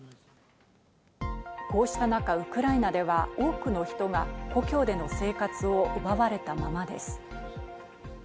こうした中、ウクライナでは多くの人が故郷での生活を奪われたままです。